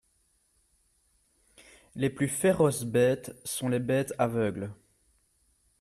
Les plus féroces bêtes sont les bêtes aveugles.